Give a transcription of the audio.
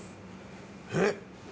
えっ？